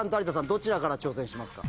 どちらから挑戦しますか？